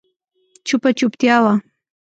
چوپه چوپتيا وه.